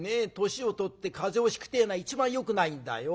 年を取って風邪をひくってえのが一番よくないんだよ。